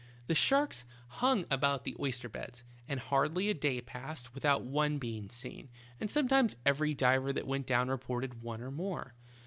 The sharks hung about the oyster beds, and hardly a day passed without one being seen, and sometimes every diver that went down reported one or more.